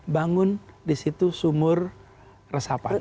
bangun di situ sumur resapan